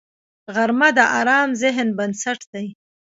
غرمه د ارام ذهن بنسټ دی